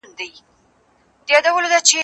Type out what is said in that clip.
زه به سبا درسونه لوستل کوم!؟